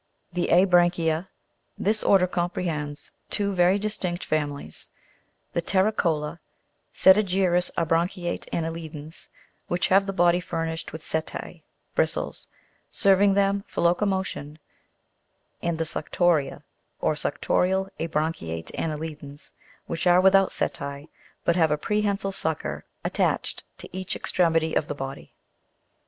9. The abrarichia this order comprehends two very distinct families : the terricola setigerous abran'chiate anne'lidans, which have the body furnished with seta3 (bristles), serving them for locomotion, and the sucto'ria or suctorial abran'chiate anne'lidans, which are without setce, but have a prehensile sucker attached to each extremity of the body.